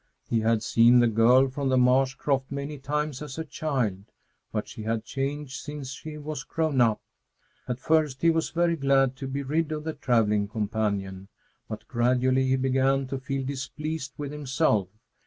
He had seen the girl from the marsh croft many times as a child, but she had changed since she was grown up. At first he was very glad to be rid of the travelling companion, but gradually he began to feel displeased with himself.